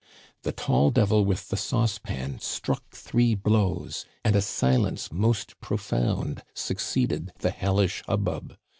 "The tall devil with the sauce pan struck three blows; and a silence most profound succeeded the hellish hubbub.